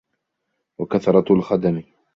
وَكَثْرَةُ الْخَدَمِ